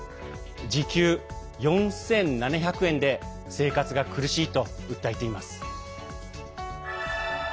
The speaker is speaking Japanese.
時給４７００円で生活が苦しいと訴えています。